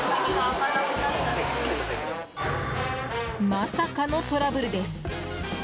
まさかのトラブルです。